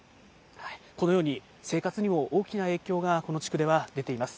このように生活にも大きな影響が、この地区では出ています。